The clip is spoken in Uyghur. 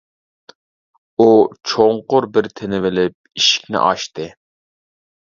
ئۇ چوڭقۇر بىر تىنىۋېلىپ ئىشىكنى ئاچتى.